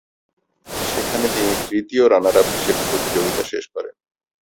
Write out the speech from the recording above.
সেখানে তিনি তৃতীয় রানার আপ হিসাবে প্রতিযোগিতা শেষ করেন।